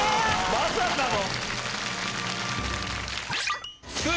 まさかの。